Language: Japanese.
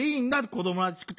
子どもらしくて。